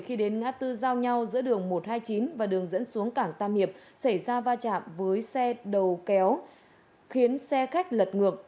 khi đến ngã tư giao nhau giữa đường một trăm hai mươi chín và đường dẫn xuống cảng tam hiệp xảy ra va chạm với xe đầu kéo khiến xe khách lật ngược